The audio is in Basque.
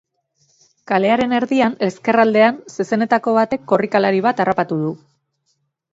Kalearen erdian, ezkerraldean, zezenetako batek korrikalari bat harrapatu du.